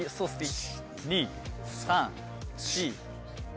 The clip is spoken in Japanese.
１２３４５。